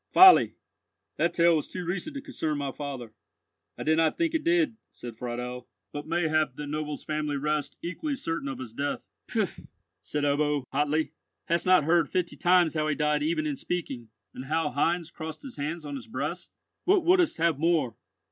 "Folly! That tale was too recent to concern my father." "I did not think it did," said Friedel; "but mayhap that noble's family rest equally certain of his death." "Pfui!" said Ebbo, hotly; "hast not heard fifty times how he died even in speaking, and how Heinz crossed his hands on his breast? What wouldst have more?"